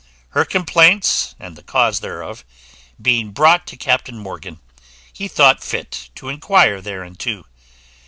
Her complaints, and the cause thereof, being brought to Captain Morgan, he thought fit to inquire thereinto.